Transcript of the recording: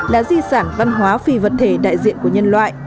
là di sản văn hóa phi vật thể đại diện của nhân loại